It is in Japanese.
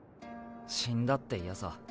死んだって嫌さ。